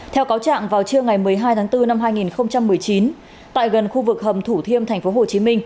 theo cáo trạng vào trưa ngày một mươi hai tháng bốn năm hai nghìn một mươi chín tại gần khu vực hầm thủ thiêm tp hcm